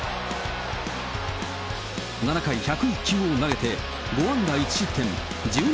７回、１０１球を投げて５安打１失点１２